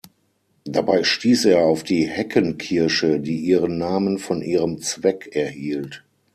Dabei stieß er auf die Heckenkirsche, die ihren Namen von ihrem Zweck erhielt.